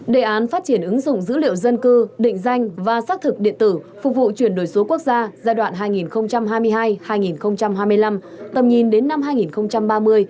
đề án phát triển ứng dụng dữ liệu dân cư định danh và xác thực điện tử phục vụ chuyển đổi số quốc gia giai đoạn hai nghìn hai mươi hai hai nghìn hai mươi năm tầm nhìn đến năm hai nghìn ba mươi